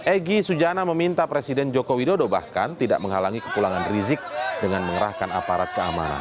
egy sujana meminta presiden joko widodo bahkan tidak menghalangi kepulangan rizik dengan mengerahkan aparat keamanan